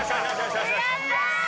やった！